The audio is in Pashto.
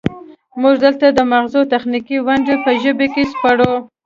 موږ دلته د مغزو تخنیکي ونډه په ژبه کې سپړو